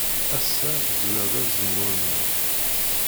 Ass-a zwiɣ-d azemmur-nneɣ.